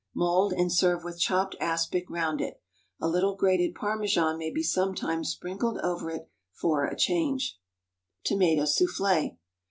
Mould, and serve with chopped aspic round it. A little grated Parmesan may be sometimes sprinkled over it for a change. _Tomato Soufflé.